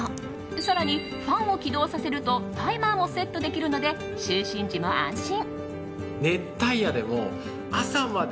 更に、ファンを起動させるとタイマーもセットできるので就寝時も安心。